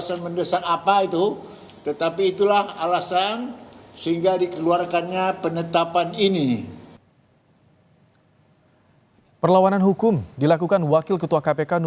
sebetulnya putusan ini tidak dikirimkan oleh pak jokowi